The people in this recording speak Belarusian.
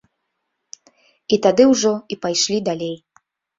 І тады ўжо і пайшлі далей.